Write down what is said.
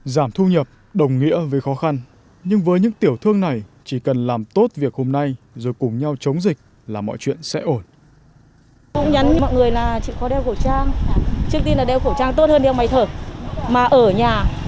giảm thu nhập đồng nghĩa với khó khăn nhưng với những tiểu thương này chỉ cần làm tốt việc hôm nay rồi cùng nhau chống dịch là mọi chuyện sẽ ổn